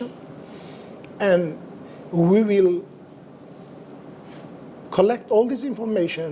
dan kami akan mengumpulkan semua informasi ini